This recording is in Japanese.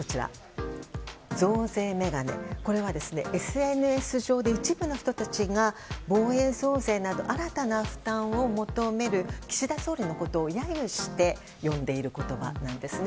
増税メガネ、これはＳＮＳ上で一部の人たちが防衛増税など新たな負担を求める岸田総理のことを揶揄して呼んでいる言葉です。